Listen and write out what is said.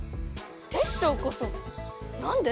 テッショウこそなんで？